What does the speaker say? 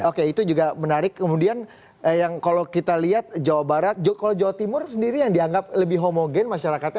oke itu juga menarik kemudian yang kalau kita lihat jawa barat kalau jawa timur sendiri yang dianggap lebih homogen masyarakatnya